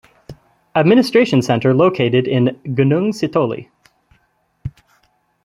Administration center located in Gunung Sitoli.